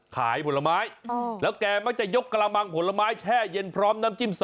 ขายผลไม้เอ่อแล้วแกมาจะยกกระมังผลไม้แช่เย็นน้ำจิ้ม๓